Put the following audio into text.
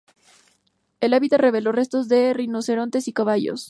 El hábitat reveló restos de rinocerontes y caballos.